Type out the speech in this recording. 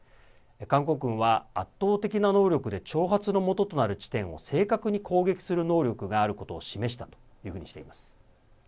韓国軍は圧倒的な能力で挑発のもととなる地点を正確に攻撃する能力があることを示したとしてます。